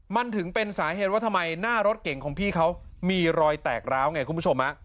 มันถึงเป็นสาเหตุว่าทำไมหน้ารถเก่งของพี่เขามีรอยแตกร้าวไงคุณผู้ชม